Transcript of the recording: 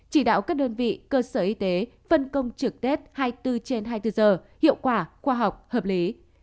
chỉ đạo các đơn vị cơ sở y tế phân công trực tết hai mươi bốn trên hai mươi bốn giờ hiệu quả khoa học hợp lý